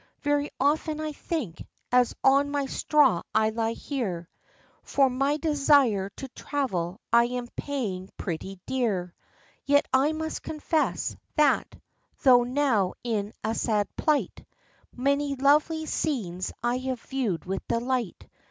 Very often I think, as on my straw I lie here, For my desire to travel I am paying pretty dear; Yet I must confess, that, though now in a sad plight, Many lovely scenes I have viewed with delight.